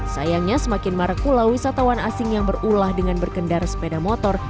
sayangnya semakin marak pula wisatawan asing yang berulah dengan berkendara sepeda motor